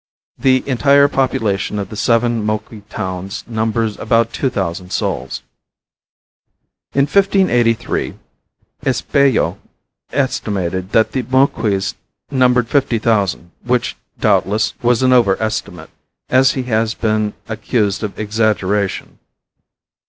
The entire population of the seven Moqui towns numbers about two thousand souls. In 1583 Espejo estimated that the Moquis numbered fifty thousand, which, doubtless, was an over estimate, as he has been accused of exaggeration.